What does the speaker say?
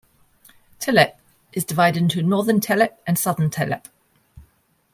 Telep is divided into Northern Telep and Southern Telep.